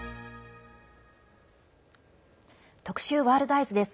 特集「ワールドＥＹＥＳ」。